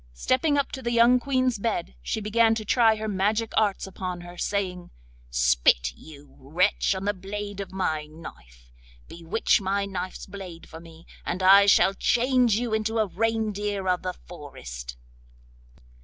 Stepping up to the young Queen's bed, she began to try her magic arts upon her, saying: 'Spit, you wretch, on the blade of my knife; bewitch my knife's blade for me, and I shall change you into a reindeer of the forest.